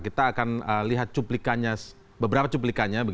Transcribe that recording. kita akan lihat beberapa cuplikannya